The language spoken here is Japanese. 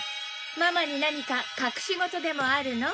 ママに何か隠し事でもあるの？